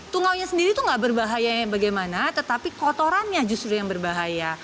tungaunya sendiri itu nggak berbahaya bagaimana tetapi kotorannya justru yang berbahaya